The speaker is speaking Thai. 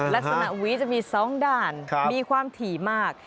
ลักษณะหวีจะมีสองด้านมีความถี่มาก